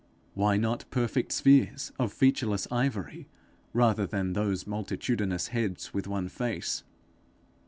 Why not perfect spheres of featureless ivory rather than those multitudinous heads with one face!